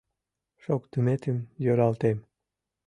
Шоктыметым йӧралтем.